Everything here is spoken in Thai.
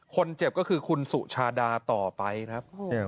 คนเจ็บก็คือคุณสุชาดาต่อไปครับ